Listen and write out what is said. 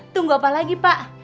tunggu apa lagi pak